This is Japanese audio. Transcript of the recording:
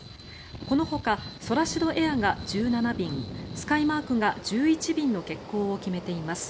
このほかソラシドエアが１７便スカイマークが１１便の欠航を決めています。